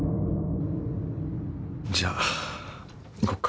じゃあ行こうか。